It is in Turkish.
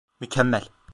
Mükemmel.